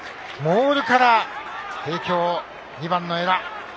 モールから帝京、２番の江良。